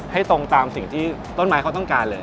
ตรงตามสิ่งที่ต้นไม้เขาต้องการเลย